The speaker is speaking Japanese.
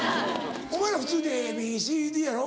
お前ら普通に「ＡＢＣＤ」やろ？